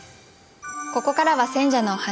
ここからは選者のお話。